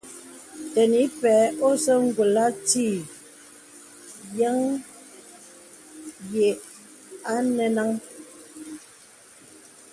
Tɛn ìpēy osə̀ ngùl nti yə̀ à anɛ̄nàŋ.